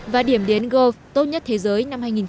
và điểm đến gov tốt nhất thế giới